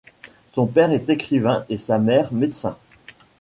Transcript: Son père est écrivain et sa mère, médecin.